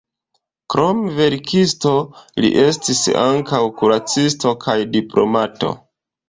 Krom verkisto, li estis ankaŭ kuracisto kaj diplomato.